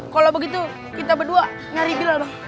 kalau begitu kita berdua nyari gila bang